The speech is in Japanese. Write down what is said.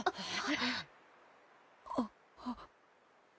あっ。